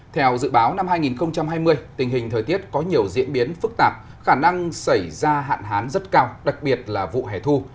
theo dự báo năm hai nghìn hai mươi tình hình thời tiết có nhiều diễn biến phức tạp khả năng xảy ra hạn hán rất cao đặc biệt là vụ hẻ thu